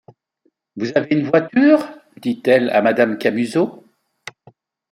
Vous avez une voiture ? dit-elle à madame Camusot.